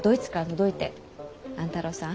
万太郎さん